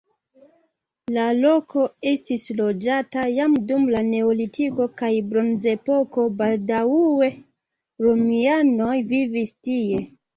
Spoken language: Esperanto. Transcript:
La loko estis loĝata jam dum la neolitiko kaj bronzepoko, baldaŭe romianoj vivis tie.